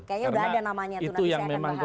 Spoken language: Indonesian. kayaknya sudah ada namanya itu nanti saya akan bahas